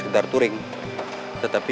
dasar tuh bule alai